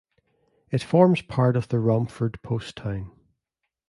It forms part of the Romford post town.